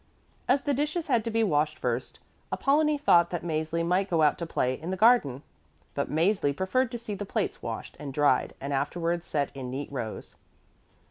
As the dishes had to be washed first, Apollonie thought that Mäzli might go out to play in the garden. But Mäzli preferred to see the plates washed and dried and afterwards set in neat rows.